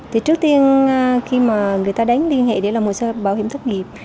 thì trước tiên khi mà người ta đánh liên hệ để làm một sơ bảo hiểm thất nghiệp